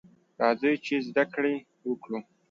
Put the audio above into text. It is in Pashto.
راځئ ! چې زده کړې وکړو.